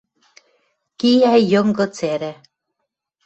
Киӓ Йынгы цӓрӓ.